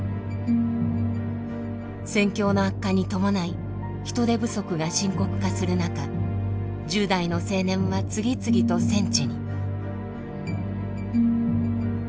戦況の悪化に伴い人手不足が深刻化する中１０代の青年は次々と戦地に。